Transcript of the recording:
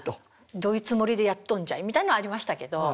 「どういうつもりでやっとんじゃい」みたいなのはありましたけど。